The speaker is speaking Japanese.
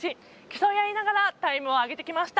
競い合いながらタイムを上げてきました。